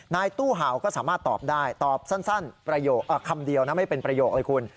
ตู้เห่าก็สามารถตอบได้ตอบสั้นคำเดียวนะไม่เป็นประโยคเลยคุณ